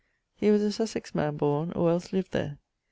He was a Sussex man borne, or els lived there.